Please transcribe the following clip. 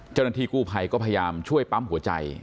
เจ้าหน้าที่กู้ภัยก็พยายามช่วยปั๊มหัวใจ